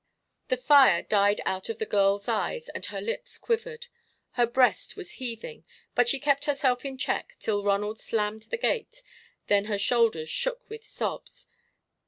The fire died out of the girl's eyes and her lips quivered. Her breast was heaving, but she kept herself in check till Ronald slammed the gate, then her shoulders shook with sobs.